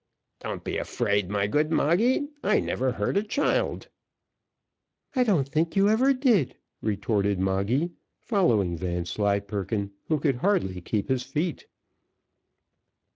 "Don't be afraid, my good Moggy I never hurt a child." "I don't think you ever did," retorted Moggy, following Vanslyperken, who could hardly keep his feet.